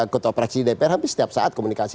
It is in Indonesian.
kota praksi dpr hampir setiap saat komunikasi